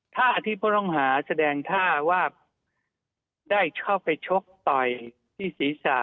ถ้าอธิผู้ต้องหาแสดงท่าว่าได้เข้าไปชกต่อยที่ศีรษะ